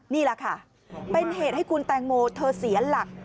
นี่แหละค่ะเป็นเหตุให้คุณแตงโมเธอเสียหลัก